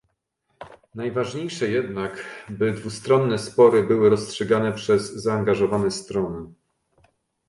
Najważniejsze jednak by dwustronne spory były rozstrzygane przez zaangażowane strony